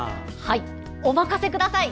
お任せください！